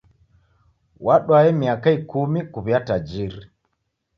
Wadwae miaka ikumi kuw'uya tajiri.